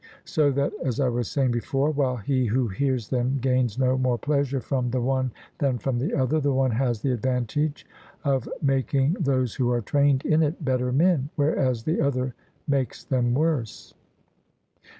So that, as I was saying before, while he who hears them gains no more pleasure from the one than from the other, the one has the advantage of making those who are trained in it better men, whereas the other makes them worse.